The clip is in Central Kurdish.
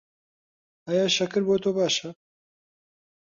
ئایا شەکر بۆ تۆ باشە؟